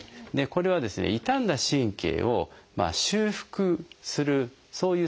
これはですね傷んだ神経を修復するそういう作用がありますね。